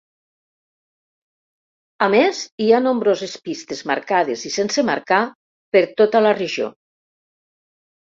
A més, hi ha nombroses pistes marcades i sense marcar per tota la regió.